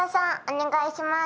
お願いします。